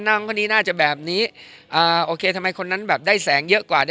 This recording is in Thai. คนนี้น่าจะแบบนี้โอเคทำไมคนนั้นแบบได้แสงเยอะกว่า